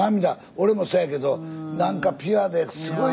俺もそやけど何かピュアですごい。